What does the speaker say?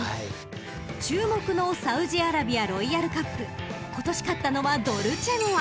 ［注目のサウジアラビアロイヤルカップ今年勝ったのはドルチェモア］